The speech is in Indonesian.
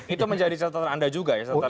itu menjadi setara anda juga ya setara